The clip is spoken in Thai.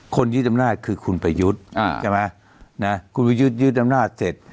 คนยึดอำนาจคือคุณไปยึดใช่ไหมนะคุณไปยึดยึดอำนาจเสร็จ